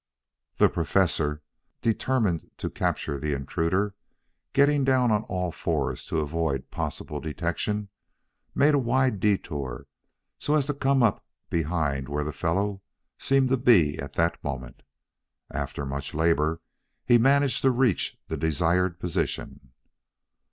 The Professor, determined to capture the intruder, getting down on all fours to avoid possible detection, made a wide detour so as to come up behind where the fellow seemed to be at that moment. After much labor he managed to reach the desired position.